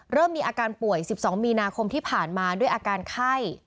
เริ่มมีอาการป่วย๑๒มีนาคมที่ผ่านมาด้วยอาการไข้